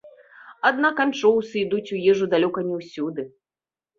Аднак анчоўсы ідуць у ежу далёка не ўсюды.